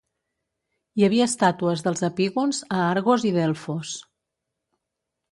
Hi havia estàtues dels epígons a Argos i Delfos.